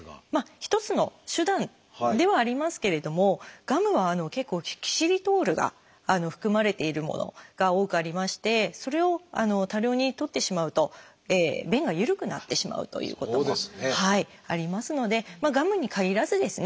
一つの手段ではありますけれどもガムは結構キシリトールが含まれているものが多くありましてそれを多量にとってしまうと便が緩くなってしまうということもありますのでガムにかぎらずですね